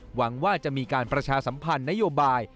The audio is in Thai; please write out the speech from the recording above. หวังว่าจะมีการประชาสัมพันธ์นโยบาย